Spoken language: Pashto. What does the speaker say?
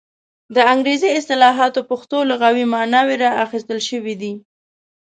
د انګریزي اصطلاحاتو پښتو لغوي ماناوې را اخیستل شوې دي.